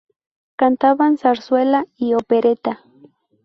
Cantaban zarzuela y opereta.